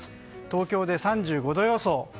東京で３５度予想。